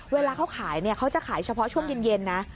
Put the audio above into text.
เวลาเขาขายเขาจะขายเฉพาะช่วงเย็นนะ